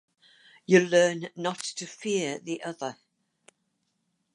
You learn not to fear the other.